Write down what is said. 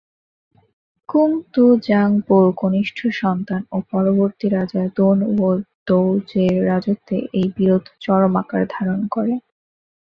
কুন-তু-ব্জাং-পোর কনিষ্ঠ সন্তান ও পরবর্তী রাজা দোন-য়োদ-র্দো-র্জের রাজত্বে এই বিরোধ চরম আকার ধারণ করে।